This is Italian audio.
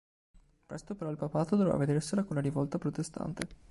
Presto però il papato dovrà vedersela con la rivolta protestante